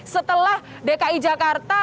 setelah dki jakarta